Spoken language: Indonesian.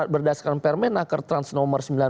berdasarkan permenaker transnomers